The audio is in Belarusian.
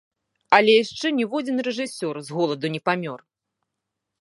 Але яшчэ ніводзін рэжысёр з голаду не памёр!